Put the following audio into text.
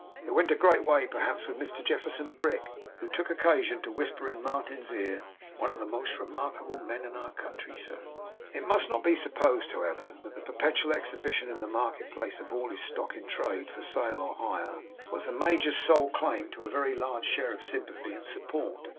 It went a great way, perhaps, with Mr Jefferson Brick, who took occasion to whisper in Martin's ear: 'One of the most remarkable men in our country, sir!' It must not be supposed, however, that the perpetual exhibition in the market place of all his stock in trade for sale or hire, was the major's sole claim to a very large share of sympathy and support.